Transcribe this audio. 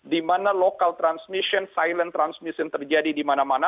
dimana lokal transmission silent transmission terjadi dimana mana